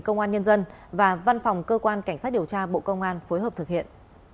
công an nhân dân và văn phòng cơ quan cảnh sát điều tra bộ công an phối hợp thực hiện